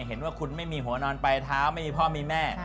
เห็นว่าคุณไม่มีหัวนอนปลายเท้าไม่มีพ่อมีแม่